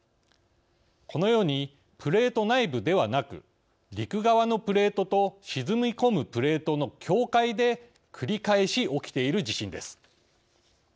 このようにプレート内部ではなく陸側のプレートと沈み込むプレートの境界で繰り返し起きている地震です。